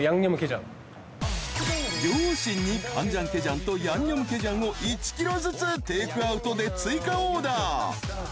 ［両親にカンジャンケジャンとヤンニョムケジャンを１ｋｇずつテークアウトで追加オーダー］